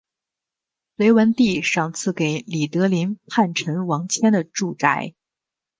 隋文帝赏赐给李德林叛臣王谦的住宅。